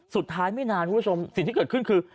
ไม่นานคุณผู้ชมสิ่งที่เกิดขึ้นคือ